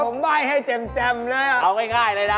เดี๋ยวผมใบ้ให้เจ็มเลยอ่ะเอาง่ายเลยนะ